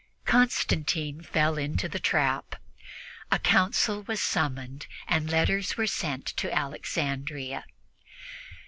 Constantine fell into the trap. A council was summoned, and letters were sent to Alexandria.